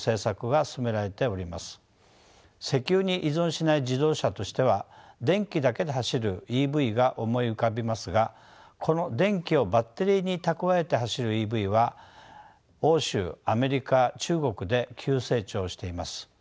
石油に依存しない自動車としては電気だけで走るＥＶが思い浮かびますがこの電気をバッテリーに蓄えて走るＥＶは欧州アメリカ中国で急成長しています。